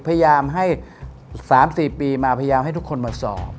พยายามให้๓๔ปีมาพยายามให้ทุกคนมาสอบ